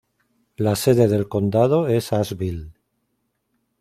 La sede del condado es Asheville.